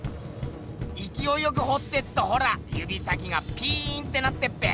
いきおいよくほってっとほらゆび先がピーンってなってっぺ。